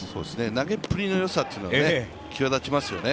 投げっぷりの良さが際立ちますよね。